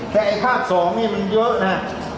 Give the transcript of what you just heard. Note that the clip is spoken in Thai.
แต่ไอ้ภาค๒นี่มันเยอะนะ